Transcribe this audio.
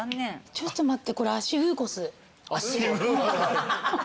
ちょっと待って。